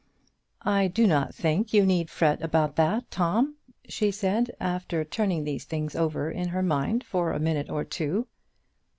"I do not think you need fret about that, Tom," she said, after turning these things over in her mind for a minute or two.